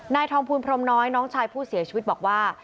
นายทองภูลพรมน้อยน้องชายผู้เสียชีวิตบอกว่า